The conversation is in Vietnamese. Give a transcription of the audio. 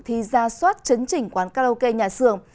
thì ra soát chấn trình quán karaoke nhà sường